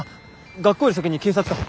学校より先に警察か。